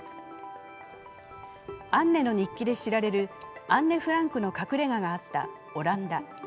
「アンネの日記」で知られるアンネ・フランクの隠れ家があったオランダ。